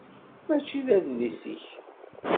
Mačči d adlis-ik?